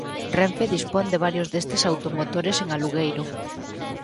Renfe dispón de varios destes automotores en alugueiro.